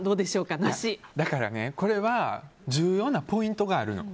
これは重要なポイントがあるの。